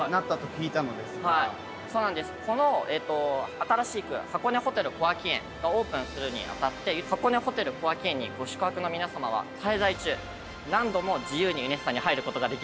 新しく箱根ホテル小涌園がオープンするに当たって箱根ホテル小涌園にご宿泊の皆さまは滞在中何度も自由にユネッサンに入ることができるんです。